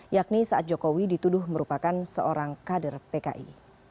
yakni saat jokowi dituduh merupakan seorang kader pki